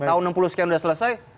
tahun enam puluh sekian sudah selesai